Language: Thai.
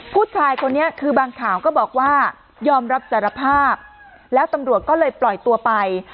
ผู้ชายคนนี้คือบางข่าวก็บอกว่ายอมรับสารภาพแล้วตำรวจก็เลยปล่อยตัวไป